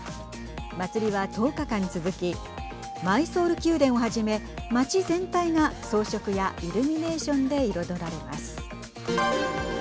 祭りは１０日間続きマイソール宮殿をはじめ町全体が装飾やイルミネーションで彩られます。